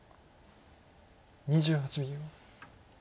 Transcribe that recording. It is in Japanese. ２８秒。